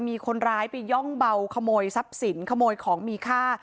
มีคนร้ายไปย่องเบาขโมยทรัพย์สินขโมยของมีค่า